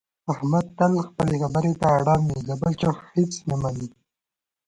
احمد تل خپلې خبرې ته اړم وي، د بل چا هېڅ نه مني.